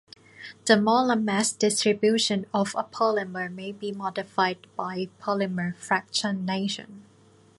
The molar mass distribution of a polymer may be modified by polymer fractionation.